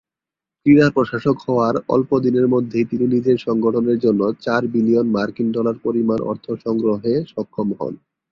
ক্রীড়া প্রশাসক হওয়ার অল্প দিনের মধ্যেই তিনি নিজের সংগঠনের জন্য চার বিলিয়ন মার্কিন ডলার পরিমাণ অর্থ সংগ্রহে সক্ষম হন।